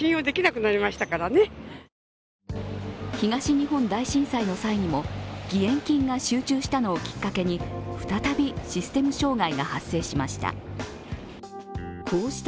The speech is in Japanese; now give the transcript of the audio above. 東日本大震災の際にも義援金が集中したのをきっかけに、再びシステム障害が発生しました。